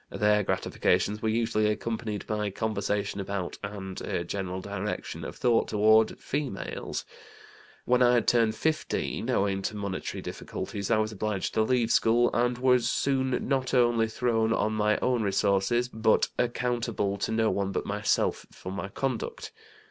Their gratifications were usually accompanied by conversation about, and a general direction of thought toward, females. When I had turned 15, owing to monetary difficulties I was obliged to leave school, and was soon not only thrown on my own resources, but accountable to no one but myself for my conduct.